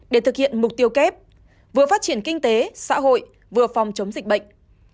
để thực hiện mục tiêu kép vừa phát triển kinh tế xã hội vừa phòng chống dịch bệnh